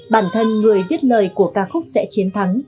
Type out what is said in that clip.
bản thân người viết lời của ca khúc sẽ chiến thắng